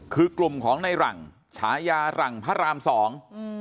คือกลุ่มของในหลังฉายาหลังพระรามสองอืม